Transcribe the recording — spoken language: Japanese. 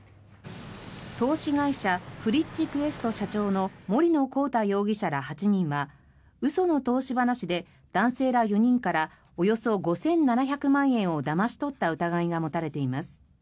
投資会社フリッチクエスト社長の森野広太容疑者ら８人は嘘の投資話で男性ら４人からおよそ５７００万円をだまし取った疑いが持たれています。